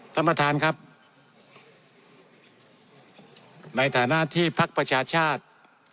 ท่านประธานครับในฐานะที่พักประชาชาติ